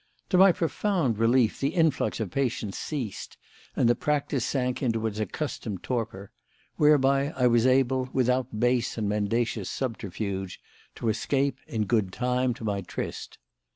To my profound relief, the influx of patients ceased, and the practice sank into its accustomed torpor; whereby I was able, without base and mendacious subterfuge, to escape in good time to my tryst.